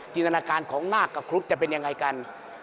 ตนาการของนาคกับครุฑจะเป็นยังไงกัน